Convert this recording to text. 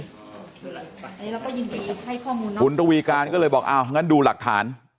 อันนี้เราก็ยินดีจะให้ข้อมูลนะคุณตวีการก็เลยบอกอ้าวงั้นดูหลักฐาน